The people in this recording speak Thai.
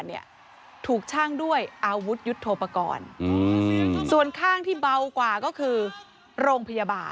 แล้วถูกชั่งด้วยอาวุธยุทธโภปากรส่วนข้างที่เบากว่าก็คือโรง